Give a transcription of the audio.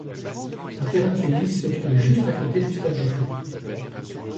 Un terrain de Tennis se trouve juste à côté du stade de foot.